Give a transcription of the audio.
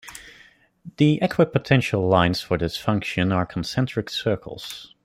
The equipotential lines for this function are concentric circles.